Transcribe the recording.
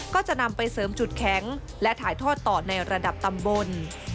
ก็จะนำไปเสริมจุดแข็งและถ่ายทอดต่อในระดับตำบล